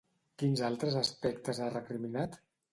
Quins altres aspectes ha recriminat?